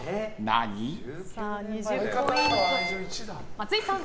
松井さん。